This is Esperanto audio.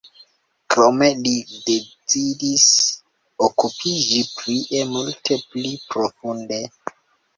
Krome li decidis okupiĝi prie multe pli profunde.